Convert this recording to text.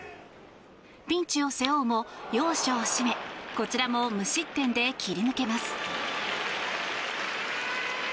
ピンチを背負うも要所を締めこちらも無失点で切り抜けます。